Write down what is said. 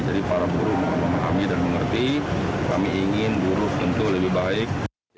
jadi para buruh mau memahami dan mengerti kami ingin buruh tentu lebih baik